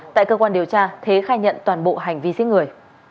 tại cơ quan điều tra thế khai nhận toàn bộ hành vi giết người